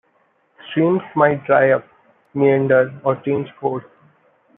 Streams might dry up, meander or change course.